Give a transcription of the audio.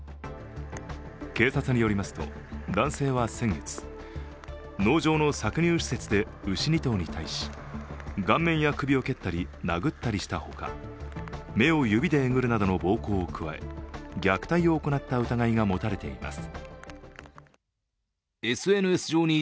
警察によりますと男性は先月農場の搾乳施設で牛２頭に対し、顔面や首を蹴ったり殴ったりしたほか目を指でえぐるなどの暴行を加え虐待を行った疑いが持たれています。